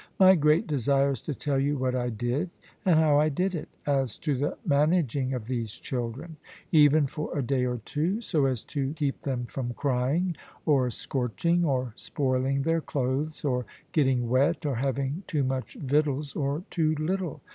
My great desire is to tell you what I did, and how I did it, as to the managing of these children, even for a day or two, so as to keep them from crying, or scorching, or spoiling their clothes, or getting wet, or having too much victuals or too little.